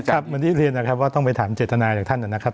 เหมือนที่เรียนนะครับว่าต้องไปถามเจตนาจากท่านนะครับ